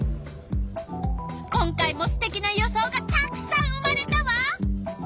今回もすてきな予想がたくさん生まれたわ。